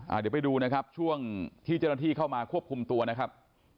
เดี๋ยวไปดูนะครับช่วงที่เจ้าหน้าที่เข้ามาควบคุมตัวนะครับ